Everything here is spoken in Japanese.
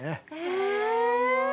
え！